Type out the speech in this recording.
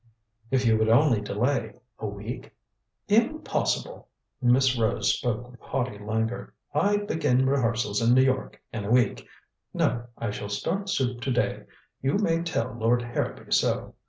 "If you would only delay a week " "Impossible." Miss Rose spoke with haughty languor. "I begin rehearsals in New York in a week. No, I shall start suit to day. You may tell Lord Harrowby so."